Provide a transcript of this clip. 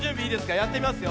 やってみますよ。